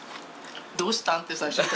「どうしたん？」って最初。